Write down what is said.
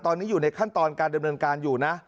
ตอนนี้อยู่ในขั้นตอนการดำเนินการอยู่นะ